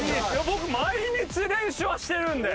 僕毎日練習はしてるんで。